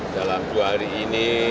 dalam dua hari ini